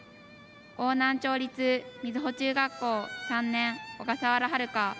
邑南町立瑞穂中学校３年小笠原遥。